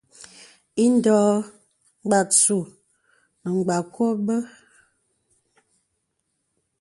Indē ɔ̄ɔ̄. Mgbàsù nə̀ Mgbàkɔ bə.